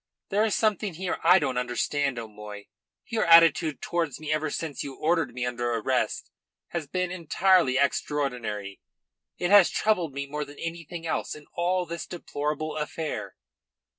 "There is something here I don't understand, O'Moy. Your attitude towards me ever since you ordered me under arrest has been entirely extraordinary. It has troubled me more than anything else in all this deplorable affair."